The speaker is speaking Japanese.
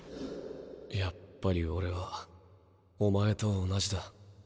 やっぱりオレはお前と同じだ。